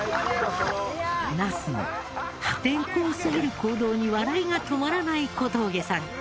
ナスの破天荒すぎる行動に笑いが止まらない小峠さん。